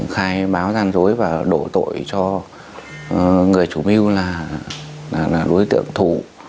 khai báo gian dối và đổ tội cho người chủ mưu là đối tượng thủ